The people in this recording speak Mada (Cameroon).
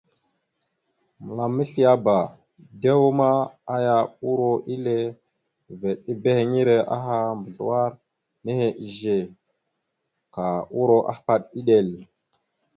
Mǝlam esleaba, dew ma, aya uro ille veɗ ebehiŋire aha mbazləwar nehe izze, ka uro ahpaɗ iɗel.